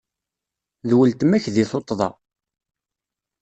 D weltma-k di tuṭṭda.